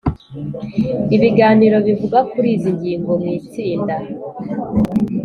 ibiganiro bivuga kuri izi ngingo mu itsinda,